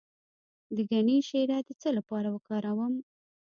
د ګني شیره د څه لپاره وکاروم؟